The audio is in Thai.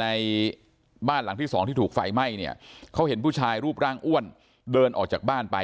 ในบ้านหลังที่สองที่ถูกไฟไหม้เนี่ยเขาเห็นผู้ชายรูปร่างอ้วนเดินออกจากบ้านไป